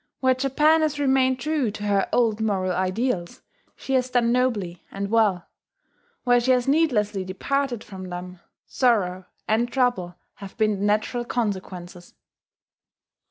Where Japan has remained true to her old moral ideals she has done nobly and well: where she has needlessly departed from them, sorrow and trouble have been the natural consequences.